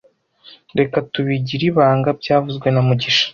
Reka tubigire ibanga byavuzwe na mugisha